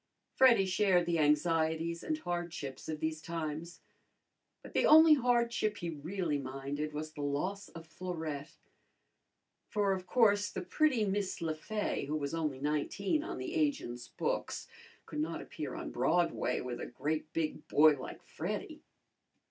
Freddy shared the anxieties and hardships of these times. But the only hardship he really minded was the loss of Florette, for of course the pretty Miss Le Fay, who was only nineteen on the agents' books, could not appear on Broadway with a great big boy like Freddy.